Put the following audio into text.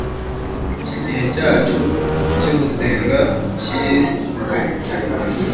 Iki gihe cyacu cyo gusenga ucyeze